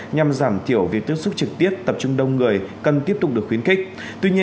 nhằm giảm thiểu việc tiếp xúc trực tiếp tập trung đông người cần tiếp tục được khuyến khích